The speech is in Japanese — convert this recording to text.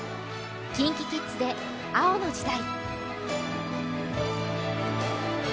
ＫｉｎＫｉＫｉｄｓで「青の時代」。